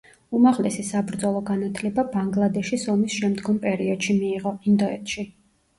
უმაღლესი საბრძოლო განათლება ბანგლადეშის ომის შემდგომ პერიოდში მიიღო, ინდოეთში.